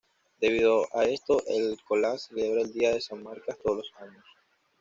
Debido a esto el college celebra el día se San Marcas todos los años.